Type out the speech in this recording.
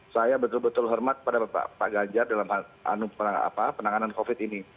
saya betul betul hormat kepada pak ganjar dalam penanganan covid sembilan belas ini